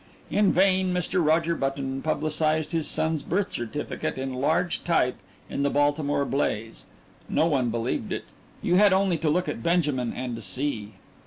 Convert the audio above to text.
In vain Mr. Roger Button published his son's birth certificate in large type in the Baltimore Blaze. No one believed it. You had only to look at Benjamin and see.